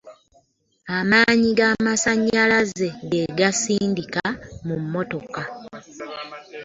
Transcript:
Amannyi g'amasannyalaze ge gasindika mu mmotoka.